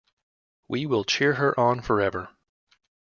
We will cheer her on forever.